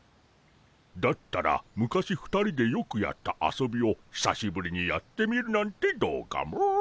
だったら昔２人でよくやった遊びをひさしぶりにやってみるなんてどうかモ？